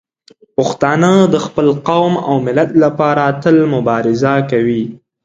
پښتانه د خپل قوم او ملت لپاره تل مبارزه کوي.